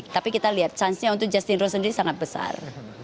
tapi kita lihat chance nya untuk just tindro sendiri sangat besar